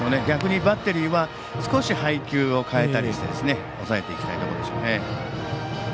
逆にバッテリーは少し配球を変えたりして抑えていきたいところでしょうね。